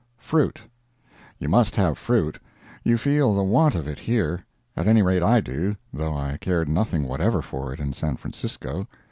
FRUIT You must have fruit. You feel the want of it here. At any rate, I do, though I cared nothing whatever for it in San Francisco.